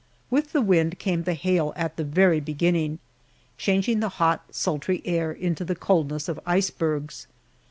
With the wind came the hail at the very beginning, changing the hot, sultry air into the coldness of icebergs.